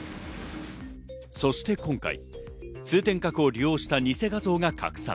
そして今回、通天閣を利用したニセ画像が拡散。